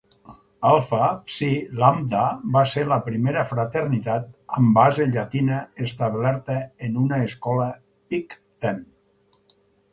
Alpha Psi Lambda va ser la primera fraternitat amb base llatina establerta en una escola Big Ten.